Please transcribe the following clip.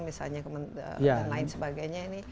dan lain sebagainya ini